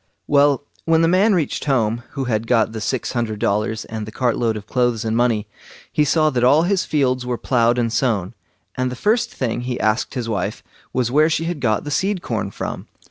Well, when the man reached home, who had got the six hundred dollars and the cart load of clothes and money, he saw that all his fields were ploughed and sown, and the first thing he asked his wife was, where she had got the seed corn from.